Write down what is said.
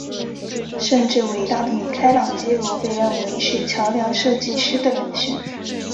甚至伟大的米开朗基罗被认为是桥梁设计师的人选。